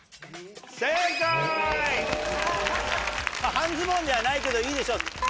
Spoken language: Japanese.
半ズボンじゃないけどいいでしょう。